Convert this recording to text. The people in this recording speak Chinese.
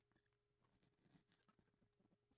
清朝后逐渐出现太学之类官方办的学校。